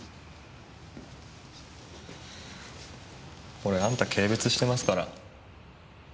俺あんた軽蔑してますから。